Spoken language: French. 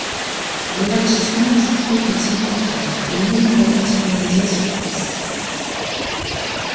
L’élargissement du trou est inévitable, et nul moyen d’y remédier sur place.